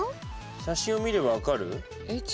写真を見れば分かる？